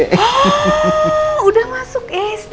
oh udah masuk sd